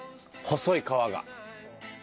細い川が。